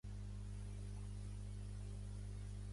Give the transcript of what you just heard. Després de la seva mort, el seu pare va visitar les germanes Farr.